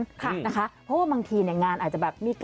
เพราะว่าบางทีงานอาจจะแบบ